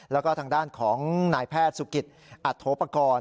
แล้วก็ทางด้านของนายแพทย์สุกิตอัตโธปกรณ์